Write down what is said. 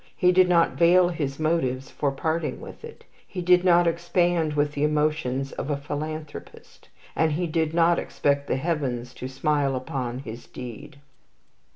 He did not veil his motives for parting with it. He did not expand with the emotions of a philanthropist. And he did not expect the Heavens to smile upon his deed.